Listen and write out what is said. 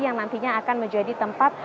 yang nantinya akan menjadi tempat